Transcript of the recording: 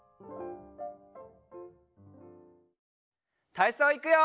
たいそういくよ！